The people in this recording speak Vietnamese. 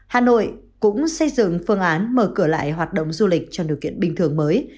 hà nội cũng xây dựng phương án mở cửa lại hoạt động du lịch cho điều kiện bình thường mới